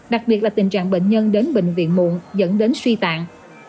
đặc biệt là tình trạng bệnh nhân đến bệnh viện muộn dẫn đến suy tạng